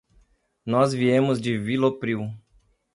Nós viemos de Vilopriu.